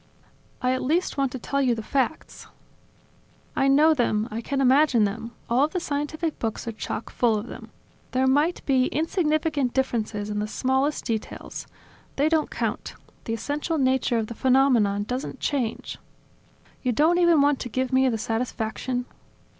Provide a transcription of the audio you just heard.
"I at least want to tell you the facts." "I know them, I can imagine them; all of the scientific books are chock full of them. There might be insignificant differences in the smallest details ... they don't count. The essential nature of the phenomenon doesn't change." "You don't even want to give me the satisfaction